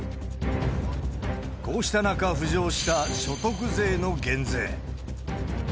こうした中、浮上した所得税の減税。